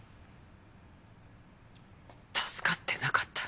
助かってなかった。